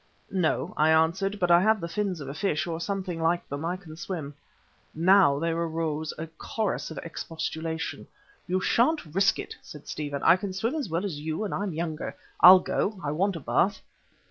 "No," I answered, "but I have the fins of a fish, or something like them, and I can swim." Now there arose a chorus of expostulation. "You shan't risk it," said Stephen, "I can swim as well as you and I'm younger. I'll go, I want a bath."